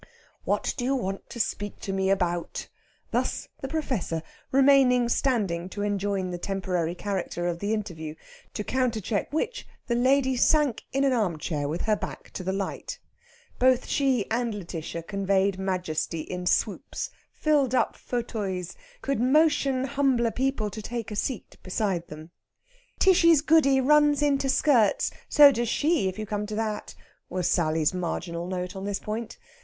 "What do you want to speak to me about?" Thus the Professor, remaining standing to enjoin the temporary character of the interview; to countercheck which the lady sank in an armchair with her back to the light. Both she and Lætitia conveyed majesty in swoops filled up fauteuils could motion humbler people to take a seat beside them. "Tishy's Goody runs into skirts so does she if you come to that!" was Sally's marginal note on this point.